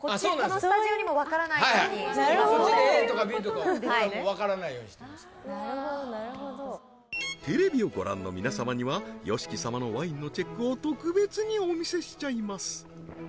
こっちでＡとかＢとかわからないようにしてますからなるほどなるほどテレビをご覧の皆様にはＹＯＳＨＩＫＩ様のワインのチェックを特別にお見せしちゃいます